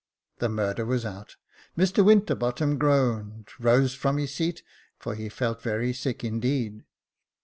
The murder was out. Mr Winterbottom groaned, rose from his seat, for he felt very sick indeed.